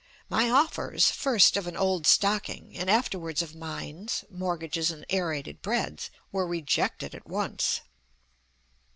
My offers, first of an old stocking and afterwards of mines, mortgages and aerated breads, were rejected at once.